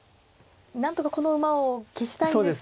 なんとかこの馬を消したいんですけれども。